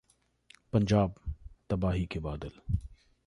पंजाब: तबाही के बादल